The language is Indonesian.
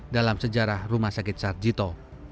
dalam sejarah rumah sakit sarjito